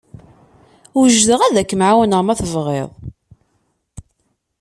Wejdeɣ ad kem-ɛawneɣ ma tebɣiḍ.